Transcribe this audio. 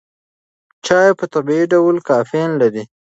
چای په طبیعي ډول کافین لري.